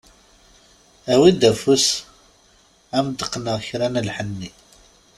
Awi-d afus ad am-d-qqneɣ kra n lḥenni.